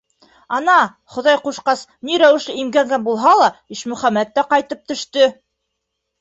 Ана, Хоҙай ҡушҡас, ни рәүешле имгәнгән булһа ла Ишмөхәмәт тә ҡайтып төштө.